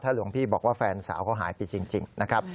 หลวงพี่บอกว่าแฟนสาวเขาหายไปจริงนะครับ